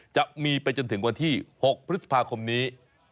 จะมีไปจนถึงวันที่๖พฤษภาคมนี้